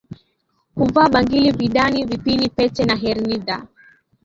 Huvaa bangili vidani vipini pete na herinidha